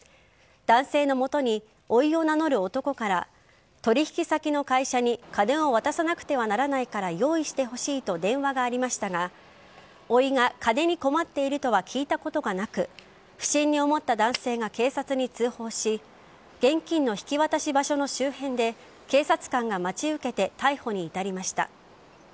男性の元においを名乗る男から取引先の会社に金を渡さなくてはならないから用意してほしいと電話がありましたがおいが金に困っているとは聞いたことがなく不審に思った男性が警察に通報し現金の引き渡し場所の周辺で警察官が待ち受けて逮捕に至りました。